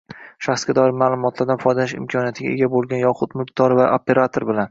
shaxsga doir ma’lumotlardan foydalanish imkoniyatiga ega bo‘lgan yoxud mulkdor va operator bilan